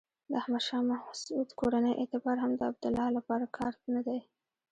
د احمد شاه مسعود کورنۍ اعتبار هم د عبدالله لپاره کارت نه دی.